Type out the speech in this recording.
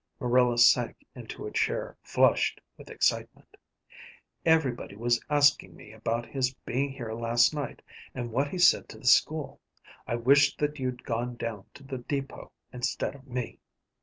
Marilla sank into a chair, flushed with excitement. "Everybody was asking me about his being here last night and what he said to the school. I wished that you'd gone down to the depot instead of me."